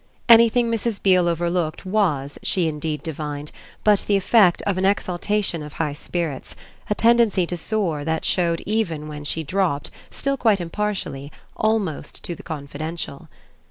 Anything Mrs. Beale overlooked was, she indeed divined, but the effect of an exaltation of high spirits, a tendency to soar that showed even when she dropped still quite impartially almost to the confidential.